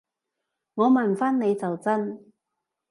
我問返你就真